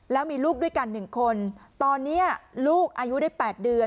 แล้วมีลูกด้วยกันหนึ่งคนตอนเนี้ยลูกอายุได้แปดเดือน